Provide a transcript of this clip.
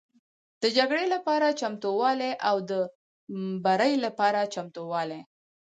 د جګړې لپاره چمتووالی او د بري لپاره چمتووالی